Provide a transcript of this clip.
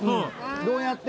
どうやって？